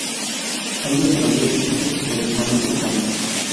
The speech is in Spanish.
Hay dos melodías distintas que tradicionalmente se cantan.